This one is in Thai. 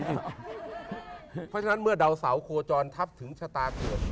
เพราะฉะนั้นเมื่อดาวเสาโคจรทับถึงชะตาเกิด